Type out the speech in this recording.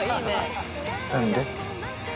何で？